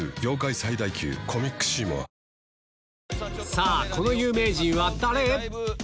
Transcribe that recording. さぁこの有名人は誰？